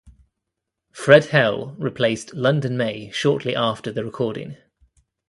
Fred Hell replaced London May shortly after the recording.